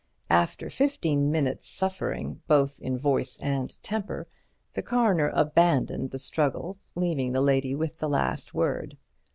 After fifteen minutes' suffering, both in voice and temper, the Coroner abandoned the struggle, leaving the lady with the last word.